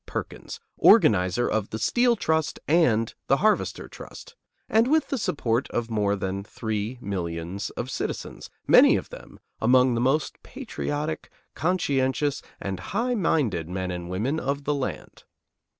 Perkins, organizer of the Steel Trust and the Harvester Trust, and with the support of more than three millions of citizens, many of them among the most patriotic, conscientious and high minded men and women of the land.